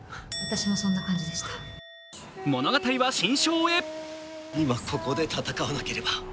物語は新章へ。